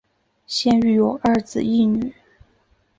现育有二子一女。